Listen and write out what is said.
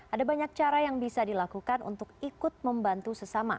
ada banyak cara yang bisa dilakukan untuk ikut membantu sesama